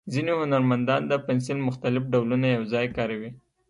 ځینې هنرمندان د پنسل مختلف ډولونه یو ځای کاروي.